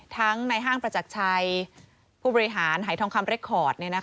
ในห้างประจักรชัยผู้บริหารหายทองคำเรคคอร์ด